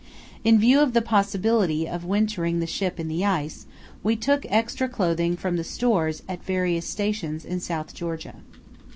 In view of the possibility of wintering the ship in the ice, we took extra clothing from the stores at the various stations in South Georgia.